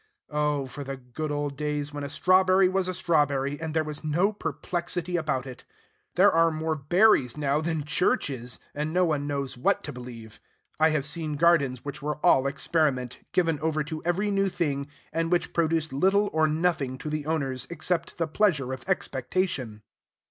Oh for the good old days when a strawberry was a strawberry, and there was no perplexity about it! There are more berries now than churches; and no one knows what to believe. I have seen gardens which were all experiment, given over to every new thing, and which produced little or nothing to the owners, except the pleasure of expectation.